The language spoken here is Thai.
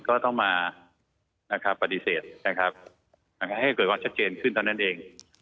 ก็ต้องมานะครับปฏิเสธนะครับให้เกิดความชัดเจนขึ้นเท่านั้นเอง